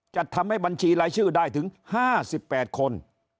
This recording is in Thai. จะทำให้บัญชีรายชื่อได้ถึง๕๘คน